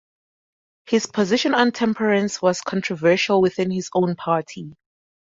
His position on temperance was controversial within his own party.